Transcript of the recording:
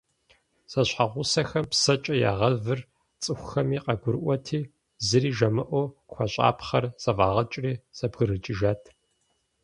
Зэщхьэгъусэхэм псэкӀэ ягъэвыр цӀыхухэми къагурыӀуати, зыри жамыӀэу хуэщӀапхъэр зэфӀагъэкӀри, зэбгрыкӀыжат.